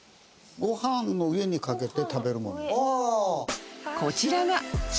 ご飯の上にかけて食べるもの。